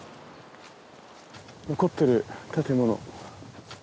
残ってる建物。